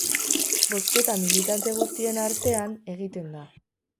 Bozketa militante guztien artean egiten da.